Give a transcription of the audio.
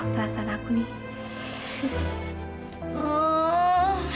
perasaan aku nih